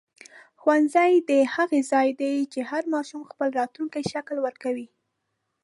ښوونځی د هغه ځای دی چې هر ماشوم خپل راتلونکی شکل ورکوي.